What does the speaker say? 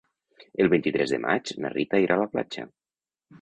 El vint-i-tres de maig na Rita irà a la platja.